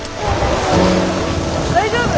大丈夫？